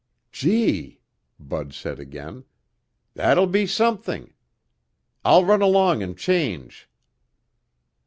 "Gee!" Bud said again. "That'll be something! I'll run along and change."